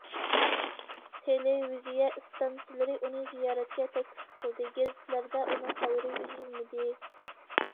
تېلېۋىزىيە ئىستانسىلىرى ئۇنى زىيارەتكە تەكلىپ قىلدى، گېزىتلەردە ئۇنىڭ خەۋىرى ئۈزۈلمىدى.